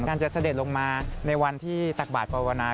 ท่านจะเสล็จลงมาในวันที่ตากบาทประวณา